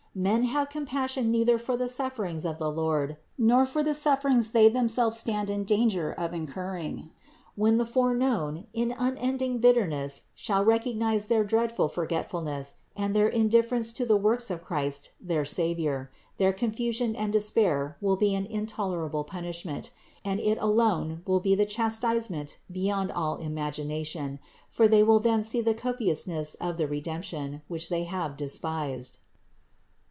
Men have compassion neither for the sufferings of the Lord, nor for the suffer ings they themselves stand in danger of incurring. When the foreknown, in unending bitterness shall recognize their dreadful forgetfulness and their indifference to the works of Christ their Savior, their confusion and despair will be an intolerable punishment, and it alone will be a chastisement beyond all imagination ; for they will then see the copiousness of the Redemption, which they have despised ( Ps.